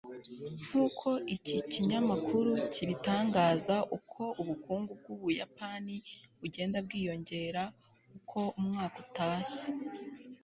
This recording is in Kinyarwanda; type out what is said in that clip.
Nkuko iki kinyamakuru kibitangaza uko ubukungu bwUbuyapani bugenda bwiyongera uko umwaka utashye